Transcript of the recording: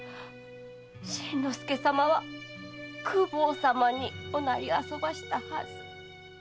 新之助様は公方様におなりあそばしたはず。